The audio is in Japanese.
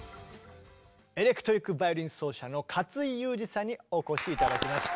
エレクトリック・バイオリン奏者の勝井祐二さんにお越し頂きました。